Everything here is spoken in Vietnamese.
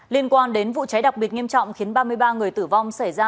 liên quan đến vụ cháy đặc biệt nghiêm trọng khiến ba mươi ba người tử vong xảy ra